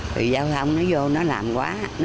từ giao thông nó vô nó làm quá